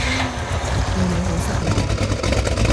對你好失望